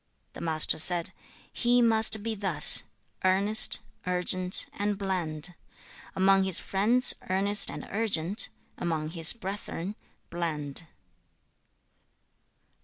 The Master said, 'He must be thus, earnest, urgent, and bland: among his friends, earnest and urgent; among his brethren, bland.'